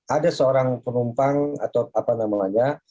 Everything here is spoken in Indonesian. ada seorang penumpang atau apa namanya